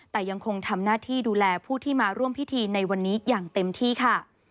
แต่ยังคงทำหน้าที่ดูแลผู้ที่มาร่วมพิธีในวันนี้อย่างเต็มที่ค่ะ